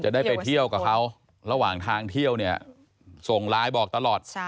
ได้ไปเที่ยวกับเขาระหว่างทางเที่ยวเนี่ยส่งไลน์บอกตลอด